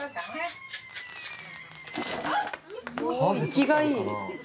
生きがいい。